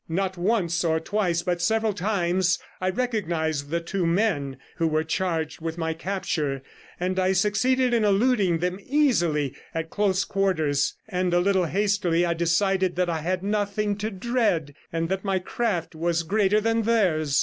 Not once or twice, but several times, I recognized the two men who were charged with my capture, and I succeeded in eluding them easily at close quarters; and a little hastily I decided that I had nothing to dread, and that my craft was greater than theirs.